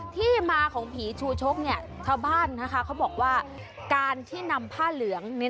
ที่มาของผีชูชกเนี่ยชาวบ้านนะคะเขาบอกว่าการที่นำผ้าเหลือง